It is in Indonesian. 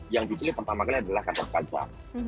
yang ditulis pertama kali adalah gatot kaca